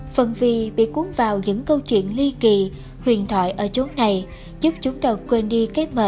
phần vì bị cuốn vào những câu chuyện ly kỳ huyền thoại ở chỗ này giúp chúng ta quên đi cái mệt rút gắn cảm giác mệt mỏi